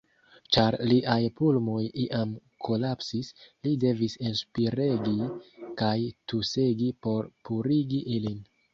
Ĉar liaj pulmoj iam kolapsis, li devis enspiregi kaj tusegi por purigi ilin.